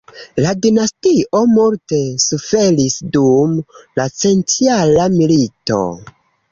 La dinastio multe suferis dum la centjara milito.